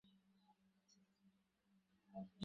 বলে লাবণ্য ঠোঁট চেপে মুখ শক্ত করে রইল।